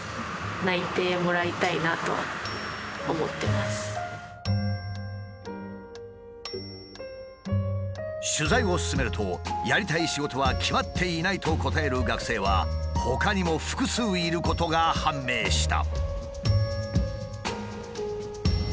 でもやっぱ取材を進めるとやりたい仕事は決まっていないと答える学生はほかにも複数いることが判明した。